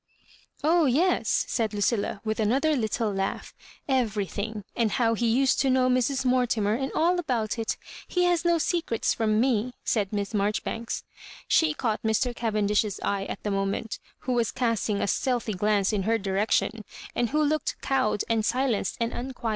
"Oh yes," said Lucilla, with another little laugh —" everything — and how he used to know Mrs. Mortimer, and all about it He has no se* crets from me," said Miss Marjoribanks. She caught Mr. Cavendish's eye at the moment, who was casting a stealthy glance in her direction, and who looked cowed and silenced and unqui.